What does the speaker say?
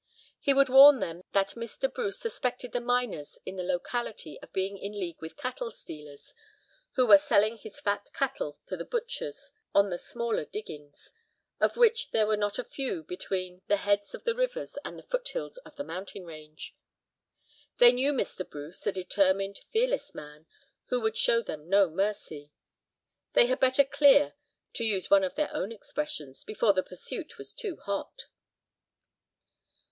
He would warn them that Mr. Bruce suspected the miners in the locality of being in league with cattle stealers, who were selling his fat cattle to the butchers on the smaller diggings, of which there were not a few between the heads of the rivers and the foothills of the mountain range. They knew Mr. Bruce, a determined, fearless man, who would show them no mercy. They had better "clear," to use one of their own expressions, before the pursuit was too hot.